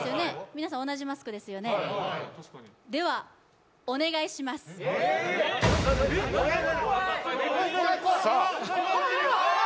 皆さん同じマスクはいではお願いしますえっ！？